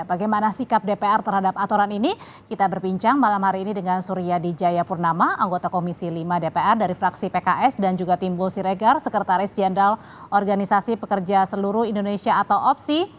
bagaimana sikap dpr terhadap aturan ini kita berbincang malam hari ini dengan surya di jayapurnama anggota komisi lima dpr dari fraksi pks dan juga timbul siregar sekretaris jenderal organisasi pekerja seluruh indonesia atau opsi